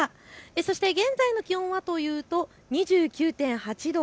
そして現在の気温はというと２９．８度。